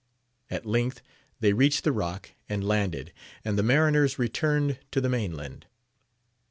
At length they reached the rock and landed, and the mariners returned to the mainland.